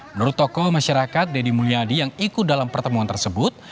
menurut tokoh masyarakat deddy mulyadi yang ikut dalam pertemuan tersebut